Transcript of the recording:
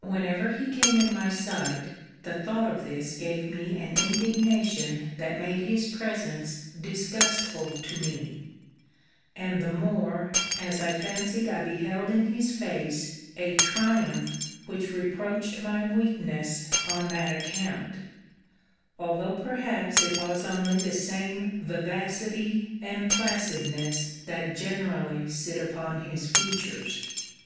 Whenever he came in my sight, the thought of this gave me an indignation that made his presence disgustful to me; and the more, as I fancied I beheld in his face a triumph which reproached my weakness on that account; although perhaps it was only the same vivacity and placidness that generally sit upon his features.